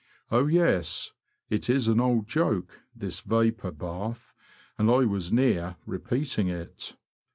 Oh, yes, it is an old joke, this vapour hafhj and I was near repeating it.